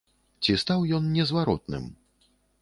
Ці стаў ён незваротным?